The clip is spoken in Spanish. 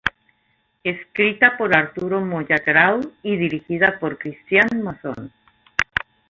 Escrita por Arturo Moya Grau y dirigida por Cristián Mason.